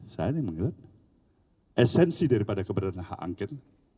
saya ini mengira esensi daripada keberadaan hangket